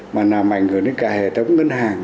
mà làm ảnh hưởng đến cả hệ thống ngân hàng